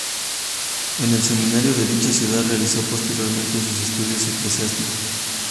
En el Seminario de dicha ciudad realizó, posteriormente, sus estudios eclesiásticos.